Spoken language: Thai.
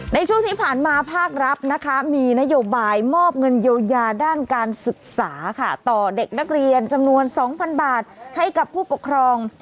ในช่วงที่ผ่านมาภาครัฐนะคะมีนโยบายมอบเงินเยียวยาด้านการศึกษาค่ะต่อเด็กนักเรียนจำนวน๒๐๐๐บาทให้กับผู้ปกครอง